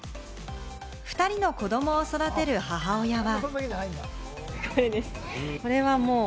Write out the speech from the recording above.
２人の子どもを育てる母親は。